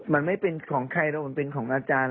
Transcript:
มันไม่เป็นของใครแล้วมันเป็นของอาจารย์